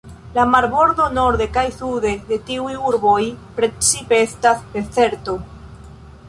La marbordo norde kaj sude de tiuj urboj precipe estas dezerto.